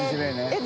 えっ！